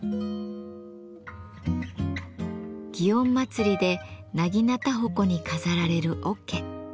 祇園祭で長刀鉾に飾られる桶。